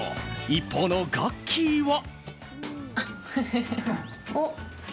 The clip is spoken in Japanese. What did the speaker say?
一方のガッキーは。